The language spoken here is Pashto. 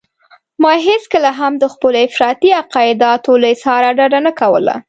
ما هېڅکله هم د خپلو افراطي اعتقاداتو له اظهاره ډډه نه کوله.